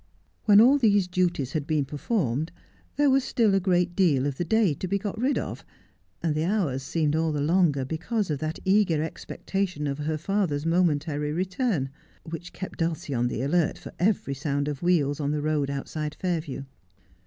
When all these duties had been performed there was still a 142 Just as 1 Am. great deal of the day to be got rid of, and the hours seemed all the longer because of that eager expectation of her father's momentary return, which kept Dulcie on the alert for every sound of wheels on the road outside Fairview.